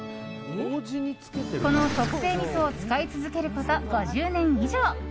この特製みそを使い続けること５０年以上。